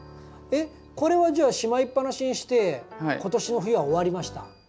えっこれはじゃあしまいっぱなしにして今年の冬は終わりました。